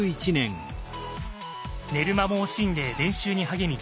寝る間も惜しんで練習に励み